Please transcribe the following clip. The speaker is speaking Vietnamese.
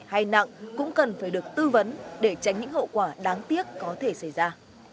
hay nặng cũng cần phải được tư vấn để tránh những hậu quả đáng tiếc có thể xảy ra